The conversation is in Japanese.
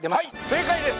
正解です。